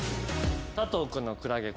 佐藤君のクラゲ